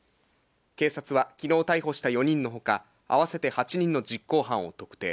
警察はきのう逮捕した４人のほか、合わせて８人の実行犯を特定。